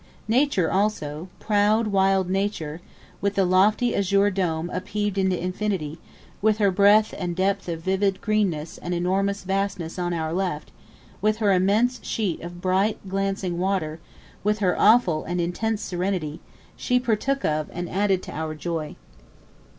Nature, also proud, wild nature 0 with the lofty azure dome upheaved into infinity with her breadth and depth of vivid greenness and enormous vastness on our left with her immense sheet of bright, glancing water with her awful and intense serenity she partook of and added to our joy.